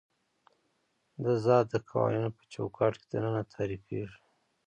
د ذات د قوانینو په چوکاټ کې دننه تعریفېږي.